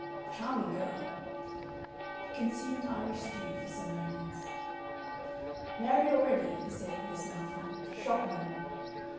Charming girl." He consumed Irish stew for some moments. "Married already," he said, with his mouth full. "Shopman."